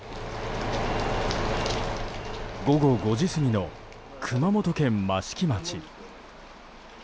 午後５時過ぎの熊本県益城町。